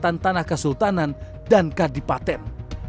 dan tanah kesultanan dan kandipaten